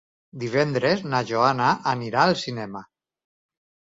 Divendres na Joana anirà al cinema.